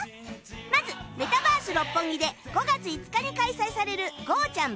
まずメタバース六本木で５月５日に開催されるゴーちゃん。